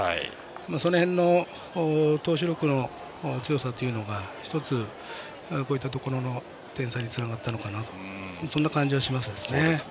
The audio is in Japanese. その辺の投手力の強さというのが一つこういったところの点差につながったのかなという感じはしますね。